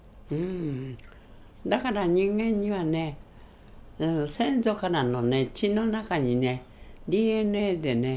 だから人間にはね先祖からのね血の中にねＤＮＡでね